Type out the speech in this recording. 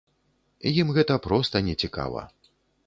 Ім гэта проста не цікава.